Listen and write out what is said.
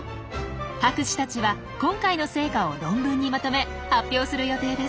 博士たちは今回の成果を論文にまとめ発表する予定です。